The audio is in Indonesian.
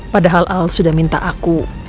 padahal al sudah minta aku